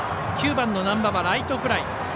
９番の難波はライトフライ。